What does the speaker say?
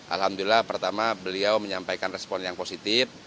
alhamdulillah pertama beliau menyampaikan respon yang positif